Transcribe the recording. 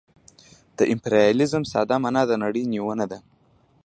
د امپریالیزم ساده مانا د نړۍ نیونه ده